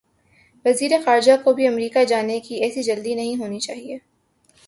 وزیر خارجہ کو بھی امریکہ جانے کی ایسی جلدی نہیں ہونی چاہیے۔